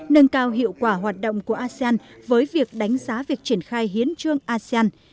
nâng cao hiệu quả hoạt động của asean với việc đánh giá việc triển khai hiến trương asean